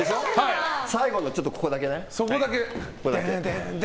最後の、ここだけね。